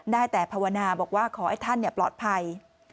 ได้แต่ภาวนาบอกว่าขอให้ท่านปลอดภัย